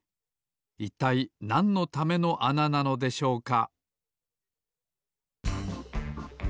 いったいなんのためのあななのでしょうか？